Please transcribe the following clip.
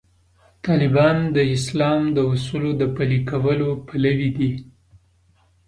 طالبان د اسلام د اصولو د پلي کولو پلوي دي.